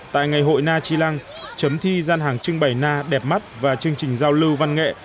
tại ngày hội na chi lăng chấm thi gian hàng trưng bày na đẹp mắt và chương trình giao lưu văn nghệ